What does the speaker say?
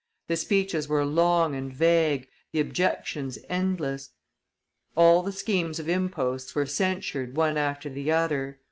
The speeches were long and vague, the objections endless. All the schemes of imposts were censured one after the other.